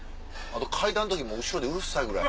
階段の時後ろでうるさいぐらい。